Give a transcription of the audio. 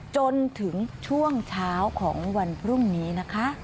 จนถึงช่วงเช้าของวันพรุ่งนี้นะคะ